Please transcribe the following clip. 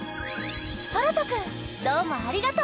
そらとくんどうもありがとう！